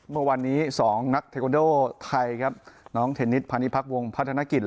เมื่อวานนี้๒นักเทควันโดไทยครับน้องเทนนิสพาณิพักวงพัฒนกิจ